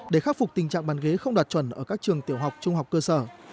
để khắc phục tình trạng bàn ghế không đạt chuẩn ở các trường tiểu học trung học cơ sở